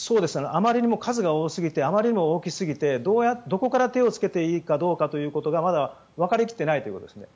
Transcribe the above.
あまりにも数が多すぎてあまりにも大きすぎてどこから手をつけたらいいかということがまだわかり切っていないということですね。